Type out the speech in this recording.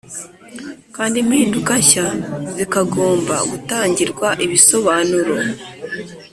kandi impinduka nshya zikagomba gutangirwa ibisobanuro